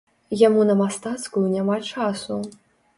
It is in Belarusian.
Яму на мастацкую няма часу.